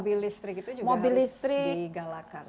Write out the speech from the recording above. program mobil listrik itu juga harus digalakan